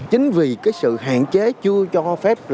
chính vì sự hạn chế chưa cho phép